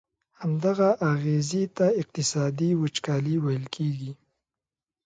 همدغه اغیزي ته اقتصادي وچکالي ویل کیږي.